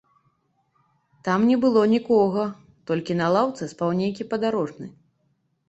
Там не было нікога, толькі на лаўцы спаў нейкі падарожны.